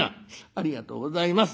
「ありがとうございます。